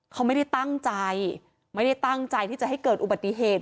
เขาไม่ได้ตั้งใจไม่ได้ตั้งใจที่จะให้เกิดอุบัติเหตุ